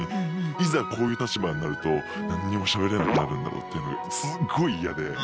いざこういう立場になると何にもしゃべれなくなるんだろうっていうのがすっごい嫌で。